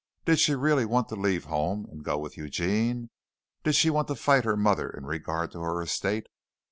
Did she really want to leave home, and go with Eugene? Did she want to fight her mother in regard to her estate?